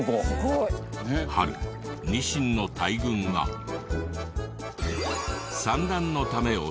春ニシンの大群が産卵のため押し寄せ